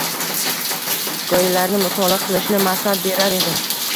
Hikoyalarini mutolaa qilishni maslahat berar edim.